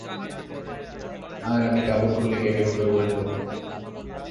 আর আমি কাপড় খুলে কেকের উপর বসবো।